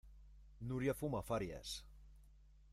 Nuria fuma farias.